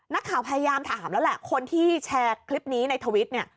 นักข่าวพยายามถามแล้วแหละคนที่แชร์คลิปนี้ในทวิตเนี่ย